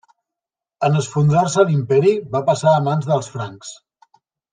En esfondrar-se l'imperi, va passar a mans dels francs.